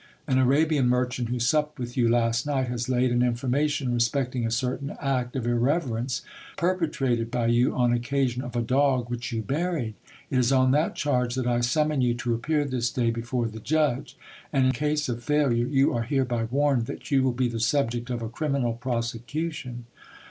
An Arabian merchant, who supped with you last night, has laid an information respecting a certain act of irreverence perpe trated by you, on occasion of a dog which you buried. It is on that charge that I summon you to appear this day before the judge ; and in case of failure, you are hereby warned that you will be the subject of a criminal prosecution.